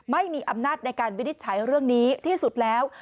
ไม่มีอำนาจในการวินิจฉัยเรื่องนี้ที่สุดแล้ว